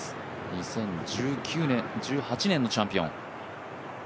２０１９年、１８年のチャンピオン。